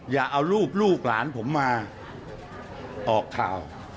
อย่าเอารูปลูกหลานผมมาออกข่าว